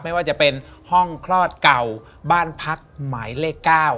ไม่ว่าจะเป็นห้องคลอดเก่าบ้านพักหมายเลข๙